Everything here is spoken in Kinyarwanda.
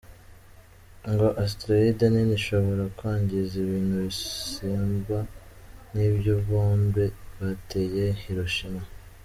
Ngo asteroid nini ishobora kwangiza ibintu bisumba nibyo bombe bateye Hiroshima.